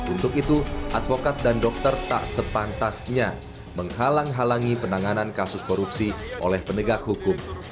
untuk itu advokat dan dokter tak sepantasnya menghalang halangi penanganan kasus korupsi oleh penegak hukum